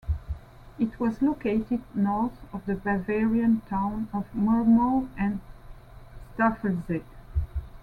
It was located north of the Bavarian town of Murnau am Staffelsee.